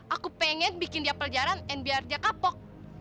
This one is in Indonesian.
aku pengen bikin dia peljaran dan biar dia kapok